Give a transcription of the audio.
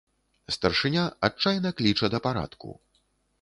Старшыня адчайна кліча да парадку.